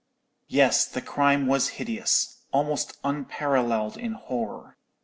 "Yes, the crime was hideous—almost unparalleled in horror.